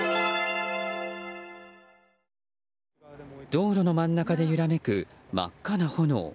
道路の真ん中で揺らめく真っ赤な炎。